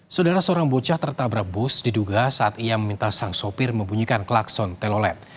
saudara seorang bocah tertabrak bus diduga saat ia meminta sang sopir membunyikan klakson telolet